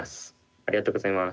ありがとうございます。